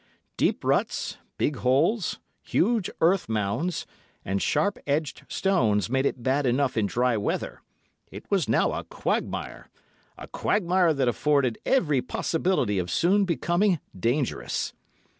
Deep ruts, big holes, huge earth mounds, and sharp edged stones made it bad enough in dry weather; it was now a quagmire—a quagmire that afforded every possibility of soon becoming dangerous.